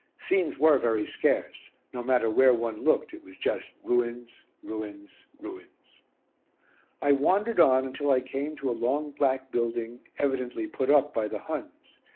Scenes were very scarce, no matter where one looked it was just ruins, ruins, ruins. I wandered on until I came to a long black building, evidently put up by the Huns.